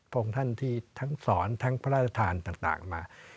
องค์ท่านที่ทั้งสอนทั้งพระราชทานต่างมา